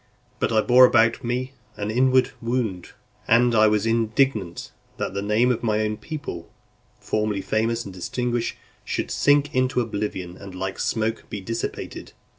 But I bore about with me an inward wound, and I was indignant, that the name of my own people, formerly famous and distinguished, should sink into oblivion, and like smoke be dissipated.